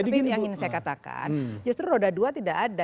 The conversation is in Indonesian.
tapi yang ingin saya katakan justru roda dua tidak ada